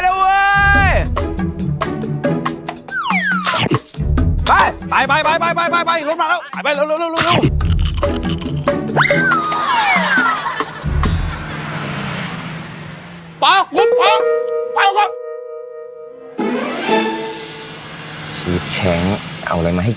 จ๊ะพี่เพราะฉะนั้นต้องรีบไป